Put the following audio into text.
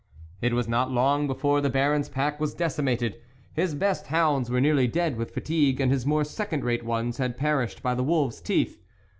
It was not long before the Baron's pack was decimated ; his best hounds were nearly dead with fatigue, and his more second rate ones had perished by the wolves' teeth.